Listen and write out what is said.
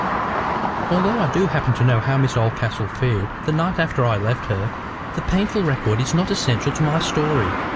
Although I do happen to know how Miss Oldcastle fared that night after I left her, the painful record is not essential to my story.